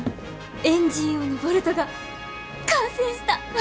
エンジン用のボルトが完成した！